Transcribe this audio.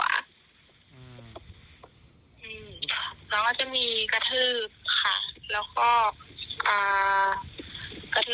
แล้วก็จะมีกระทืบ